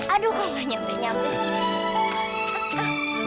aduh kok nggak nyampe nyampe sih